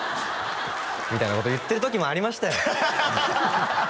みたいなこと言ってる時もありましたよ